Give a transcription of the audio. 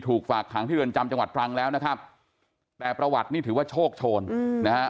ฝากขังที่เรือนจำจังหวัดตรังแล้วนะครับแต่ประวัตินี่ถือว่าโชคโชนนะฮะ